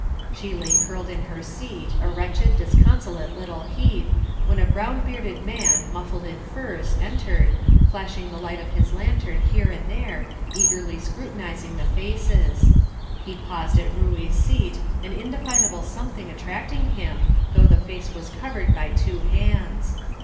She lay curled in her seat, a wretched, disconsolate little heap, when a brown bearded man, muffled in furs, entered, flashing the light of his lantern here and there, eagerly scrutinizing the faces. He paused at Ruey's seat, an indefinable something attracting him, though the face was covered by two hands.